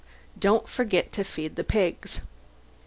Don't forget to feed the pigs.